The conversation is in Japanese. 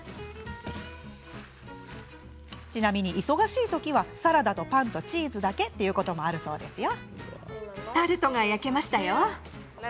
ちなみに、忙しい時はサラダとパンとチーズだけのこともあるんだとか。